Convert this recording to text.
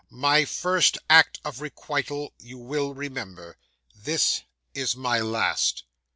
My first act of requital you well remember: this is my last."